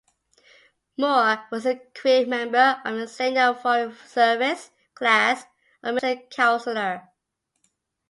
Moore was a career member of the Senior Foreign Service, class of Minister Counselor.